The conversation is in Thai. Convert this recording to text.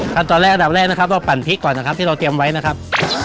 ตอนแรกอันดับแรกนะครับเราปั่นพริกก่อนนะครับที่เราเตรียมไว้นะครับ